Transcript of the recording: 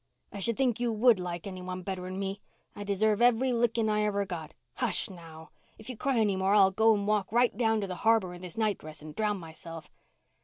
I should think you would like any one better'n me. I deserve every licking I ever got. Hush, now. If you cry any more I'll go and walk right down to the harbour in this night dress and drown myself."